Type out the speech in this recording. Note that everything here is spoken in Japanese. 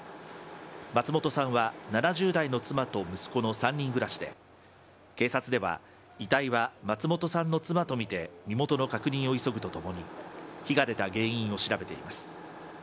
松本さんは７０代の妻と息子の３人暮らしで、警察では遺体は松本さんの妻と見て身元の確認を急ぐとともに、火が出た原因を調べています。